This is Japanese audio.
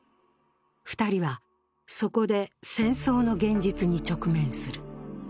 ２人は、そこで戦争の現実に直面する。